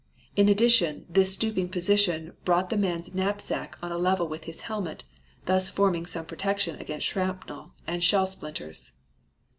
In addition, this stooping position brought the man's knapsack on a level with his helmet, thus forming some protection against shrapnel and shell splinters.